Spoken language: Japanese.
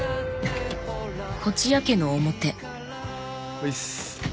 ういっす。